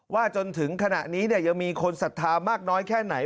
จนถึงขณะนี้ยังมีคนศรัทธามากน้อยแค่ไหน